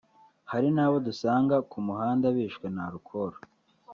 hari n’ abo dusanga ku muhanda bishwe na arukoro